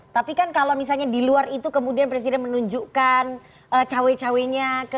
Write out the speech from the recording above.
tapi kan kalau misalnya di luar itu kemudian presiden menunjukkan cawe cawe nya